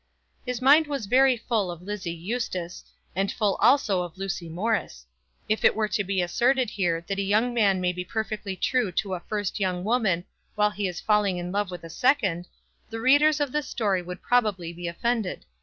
His mind was very full of Lizzie Eustace, and full also of Lucy Morris. If it were to be asserted here that a young man may be perfectly true to a first young woman while he is falling in love with a second, the readers of this story would probably be offended.